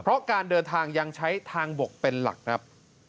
เพราะการเดินทางยังใช้ทางบกเป็นหลักครับ